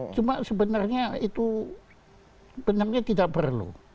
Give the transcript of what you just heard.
cuma sebenarnya itu benarnya tidak perlu